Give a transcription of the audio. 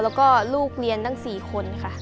แล้วก็ลูกเรียนตั้ง๔คนค่ะ